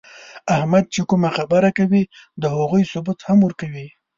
احمد چې کومه خبره کوي، د هغو ثبوت هم ورکوي.